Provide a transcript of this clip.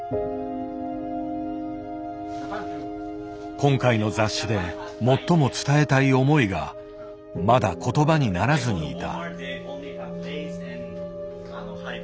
今回の雑誌で最も伝えたい思いがまだ言葉にならずにいた。